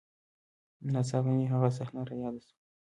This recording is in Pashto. نا څاپه مې هغه صحنه راياده سوه.